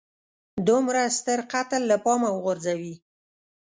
دومره ستر قتل له پامه وغورځوي.